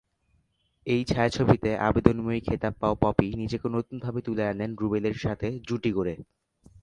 এই ছায়াছবিতে আবেদনময়ী খেতাব পাওয়া পপি নিজেকে নতুন ভাবে তুলে আনেন রুবেল এর সাথে জুটি গড়ে।